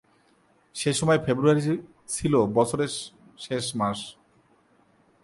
সেসময় ফেব্রুয়ারি ছিল বছরের শেষ মাস।